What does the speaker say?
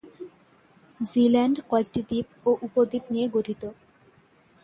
Zealand কয়েকটি দ্বীপ ও উপদ্বীপ নিয়ে গঠিত।